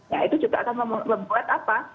ya itu juga akan membuat apa